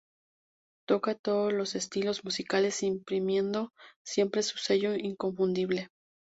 Toca todos los estilos musicales imprimiendo siempre su sello inconfundible.